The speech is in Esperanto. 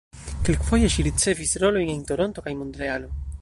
Kelkfoje ŝi ricevis rolojn en Toronto kaj Montrealo.